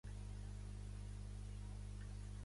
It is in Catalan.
Va néixer en Brooklyn, Nova York.